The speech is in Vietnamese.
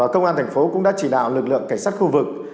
công an tp cũng đã chỉ đạo lực lượng cảnh sát khu vực